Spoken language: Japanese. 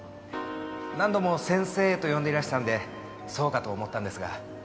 何度も「先生」と呼んでいらしたのでそうかと思ったんですが。